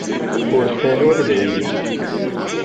Urfan ur lhin.